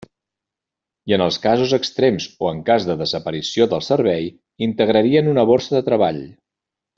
I en els casos extrems o en cas de desaparició del servei, integrarien una borsa de treball.